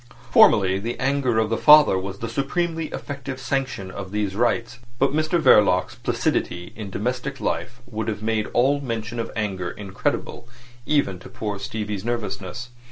Formerly the anger of the father was the supremely effective sanction of these rites, but Mr Verloc's placidity in domestic life would have made all mention of anger incredible even to poor Stevie's nervousness.